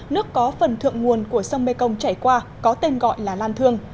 nước có phần thượng nguồn của sông mekong chảy qua có tên gọi là lan thương